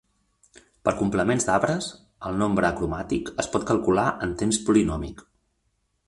Per complements d'arbres, el nombre acromàtic es pot calcular en temps polinòmic.